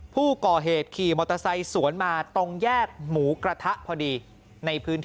ผู้ก่อเหตุขี่มอเตอร์ไซค์สวนมาตรงแยกหมูกระทะพอดีในพื้นที่